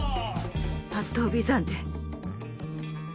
八頭尾山で。